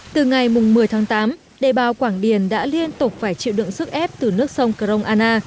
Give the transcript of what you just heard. từ ngày một mươi tháng tám đê bao quảng điền đã liên tục phải chịu đựng sức ép từ nước sông kroana